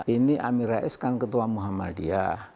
ini amirah s kan ketua muhammadiyah